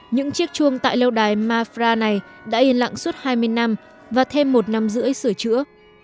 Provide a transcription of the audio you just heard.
những chiếc chuông tại lâu đài mafra này đã yên lặng suốt hai mươi năm và thêm một năm rưỡi sửa chữa